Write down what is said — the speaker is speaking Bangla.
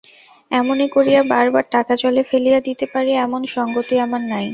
এমনি করিয়া বার বার টাকা জলে ফেলিয়া দিতে পারি এমন সংগতি আমার নাই।